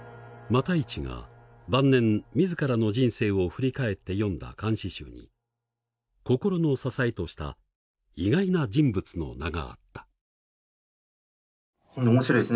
復一が晩年自らの人生を振り返って詠んだ漢詩集に心の支えとした意外な人物の名があった。